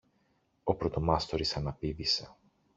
Ο πρωτομάστορης αναπήδησε.